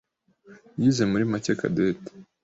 yize muri make Cadette.